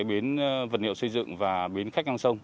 bến vật liệu xây dựng và bến khách ngang sông